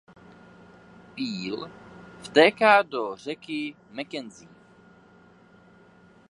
Peel vtéká do řeky Mackenzie.